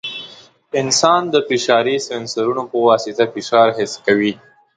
انسان د فشاري سینسرونو په واسطه فشار حس کوي.